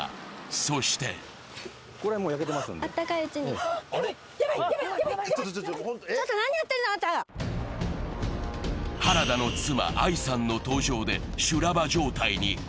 そして原田の妻、愛さんの登場で修羅場状態に。